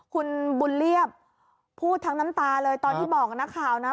คุณบุญเรียบพูดทั้งน้ำตาเลยตอนที่บอกกับนักข่าวนะ